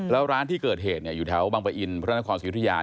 แล้วร้านที่เกิดเหตุอยู่แถวบังปะอินพระนครศิริยา